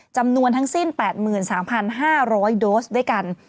จำนวนทั้งสิ้น๘๓๕๐๐โดสด้วยกัน